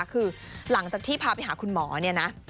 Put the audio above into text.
คือหลังจากที่พาไปหาคุณหมอเนี่ยนะ